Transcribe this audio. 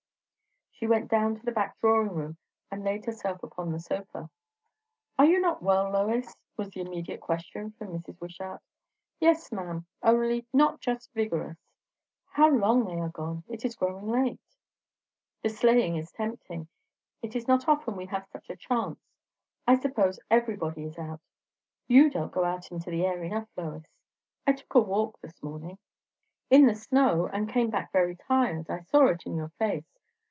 She went down to the back drawing room and laid herself upon the sofa. "Are you not well, Lois?" was the immediate question from Mrs. Wishart. "Yes, ma'am; only not just vigorous. How long they are gone! It is growing late." "The sleighing is tempting. It is not often we have such a chance. I suppose everybody is out. You don't go into the air enough, Lois." "I took a walk this morning." "In the snow! and came back tired. I saw it in your face.